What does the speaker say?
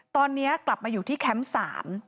ตอนนี้กลับมาอยู่ที่แคมป์สาม